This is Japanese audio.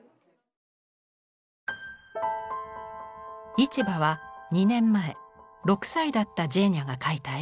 「市場」は２年前６歳だったジェーニャが描いた絵。